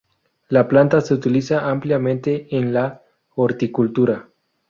La planta se utiliza ampliamente en la horticultura.